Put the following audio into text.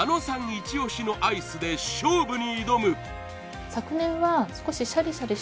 イチ押しのアイスで勝負に挑む！